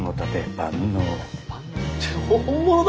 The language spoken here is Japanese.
万能って本物だ！